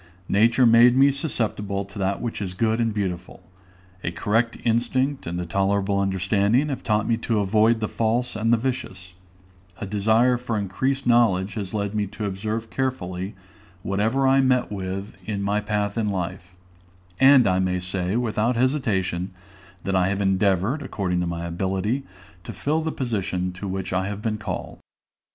Nature made me susceptible to that which is good and beautiful; a correct instinct and a tolerable understanding have taught me to avoid the false and the vicious; a desire for increased knowledge has led me to observe carefully whatever I met with in my path in life; and I may say, without hesitation, that I have endeavored, according to my ability, to fill the position to which I have been called.